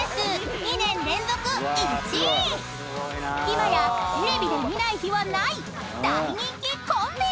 ［今やテレビで見ない日はない大人気コンビ！］